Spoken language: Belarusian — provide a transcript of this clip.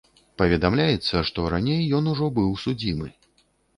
Паведамляецца, што раней ён ужо быў судзімы.